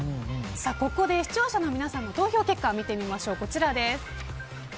ここで視聴者の皆さんの投票結果を見てみましょう。